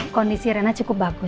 kondisi rena cukup bagus